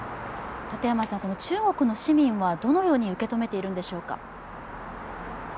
この中国の市民はどのように受け止めているんでしょうか。